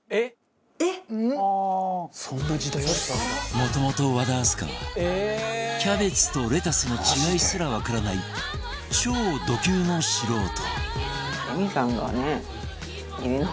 もともと和田明日香はキャベツとレタスの違いすらわからない超ド級の素人